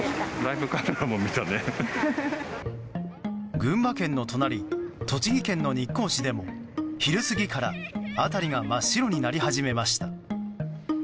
群馬県の隣栃木県の日光市でも昼過ぎから辺りが真っ白になり始めました。